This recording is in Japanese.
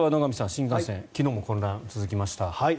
新幹線、昨日も混乱が続きました。